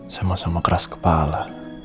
sama sama keras kepala